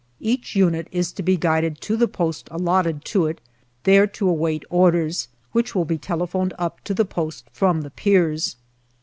Each unit is to be guided to the post allotted to it, there to await orders, which will be telephoned up to the post from the piers.